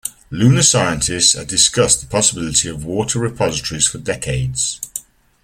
Lunar scientists had discussed the possibility of water repositories for decades.